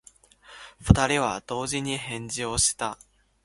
二人は同時に返事をした。